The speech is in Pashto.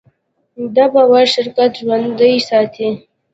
دا باور شرکت ژوندی ساتي.